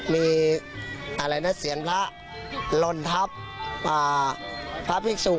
มีเศียรพระล่นทัพพระพิกษุ